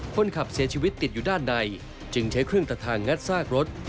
คนขับเสียชีวิตติดอยู่ด้านในจึงใช้เครื่องตัดทางงัดซากรถ